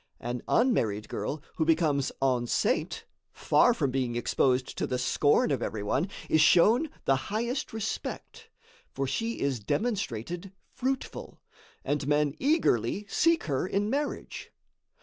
An unmarried girl who becomes enceinte, far from being exposed to the scorn of every one, is shown the highest respect; for she is demonstrated fruitful, and men eagerly seek her in marriage.